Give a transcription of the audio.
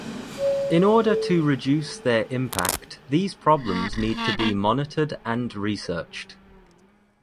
In order to reduce their impact these problems need to be monitored and researched.